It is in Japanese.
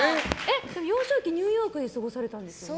幼少期、ニューヨークで過ごされたんですよね。